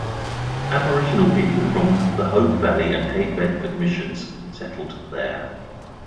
Aboriginal people from the Hope Valley and Cape Bedford Missions settled there.